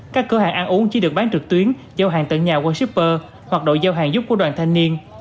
các cửa hàng ăn uống chỉ được bán trực tuyến giao hàng tận nhà qua shipper hoặc đội giao hàng giúp của đoàn thanh niên